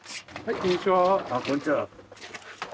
こんにちは。